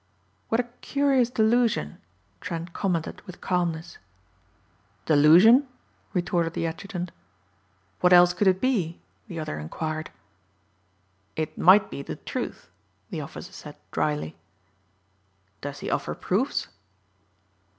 "What a curious delusion," Trent commented with calmness. "Delusion?" retorted the adjutant. "What else could it be?" the other inquired. "It might be the truth," the officer said drily. "Does he offer proofs?"